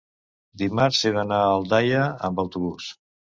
Dimarts he d'anar a Aldaia amb autobús.